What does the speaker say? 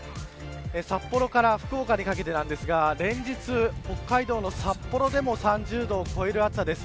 札幌から福岡にかけてですが連日、北海道の札幌でも３０度を超える暑さです。